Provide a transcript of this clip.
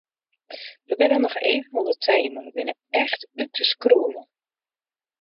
We binne noch even oan de tee mar we binne echt út de skroeven.